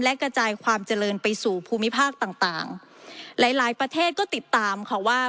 และกระจายความเจริญไปสู่ภูมิภาคต่างต่างหลายหลายประเทศก็ติดตามค่ะว่า